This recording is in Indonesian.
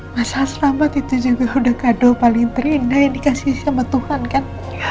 masalah selamat itu juga udah kado paling terindah yang dikasih sama tuhan kan